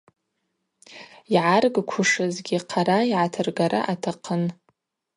Йгӏаргквушызгьи хъара йгӏатыргара атахъын.